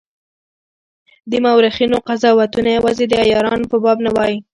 د مورخینو قضاوتونه یوازي د عیارانو په باب نه وای.